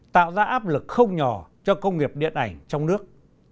tạo ra áp lực không nhỏ cho công nghiệp điện ảnh trong nước